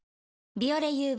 「ビオレＵＶ」